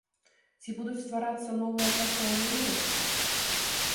Ці будуць стварацца новыя працоўныя месцы?